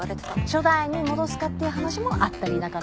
初代に戻すかっていう話もあったりなかったり。